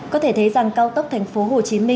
có thể thấy rằng cao tốc tp hcm